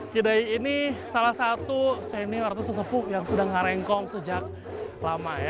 kidai ini salah satu senior atau sesepu yang sudah ngarengkong sejak lama ya